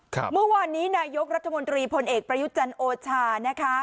เมื่อวานนี้นายกรัฐมนตรีพลเอกประยุจันทร์โอชานะคะ